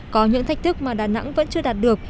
có những thách thức mà đà nẵng vẫn chưa đạt được